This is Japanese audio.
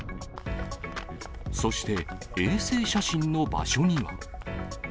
そして、衛星写真の場所には。